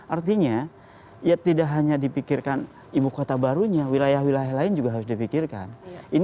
artinya ya tidak hanya dipikirkan ibu kota barunya wilayah wilayah lain juga harus dipikirkan